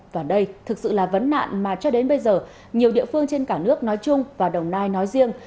và đây thực sự là vấn nạn mà cho đến bây giờ nhiều địa phương trên cả nước nói chung và đồng nai nói riêng